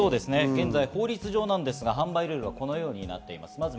法律上ですが販売ルールはこのようになっています。